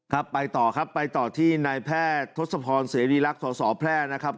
ไปต่อครับไปต่อที่นายแพทย์ทศพรเสรีรักษ์สสแพร่นะครับ